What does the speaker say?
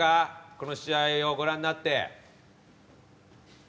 この試合をご覧になって。